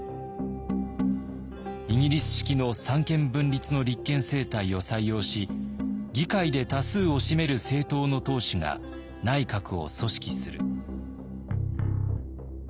「イギリス式の三権分立の立憲政体を採用し議会で多数を占める政党の党首が内閣を組織する」。